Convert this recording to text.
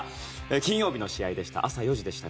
金曜日の試合でした。